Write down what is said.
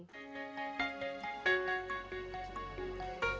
semuanya aku dapat dari sini